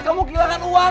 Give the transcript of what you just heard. kamu kehilangan uang